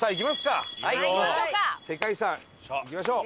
世界遺産行きましょう！